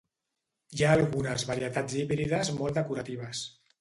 Hi ha algunes varietats híbrides molt decoratives.